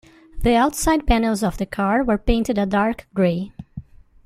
The outside panels of the car were painted a dark grey.